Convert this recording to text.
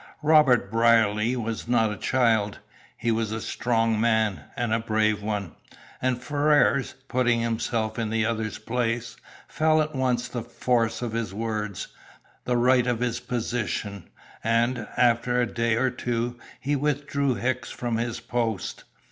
Robert Brierly was not a child. He was a strong man, and a brave one; and Ferrars, putting himself in the other's place, felt at once the force of his words, the right of his position; and, after a day or two, he withdrew Hicks from his post.